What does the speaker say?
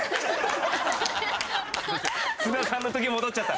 津田さんの時戻っちゃった。